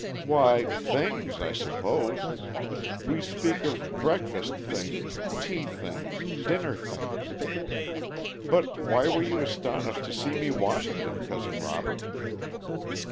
"Why 'things,' I suppose. We speak of 'breakfast things,' 'tea things,' 'dinner things.' But why were you astonished to see me washing them, Cousin Robert?"